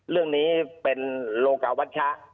เรื่องนี้เป็นโลกาวัชชะ